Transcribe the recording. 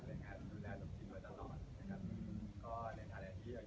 เพราะว่าเหมือนเราก็ทำงานด้วยกันมาตลอด